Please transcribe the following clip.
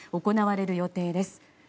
行われる予定です。